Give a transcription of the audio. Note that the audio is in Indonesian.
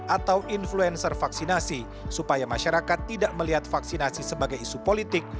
atau influencer vaksinasi supaya masyarakat tidak melihat vaksinasi sebagai isu politik